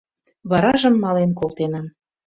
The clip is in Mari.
Варажым мален колтенам...